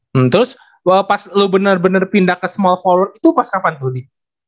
hmm terus pas lo bener bener pindah ke small forward itu pas kapan brody